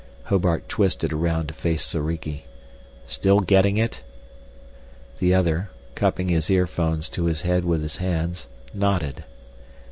Hobart twisted around to face Soriki. "Still getting it?" The other, cupping his earphones to his head with his hands, nodded.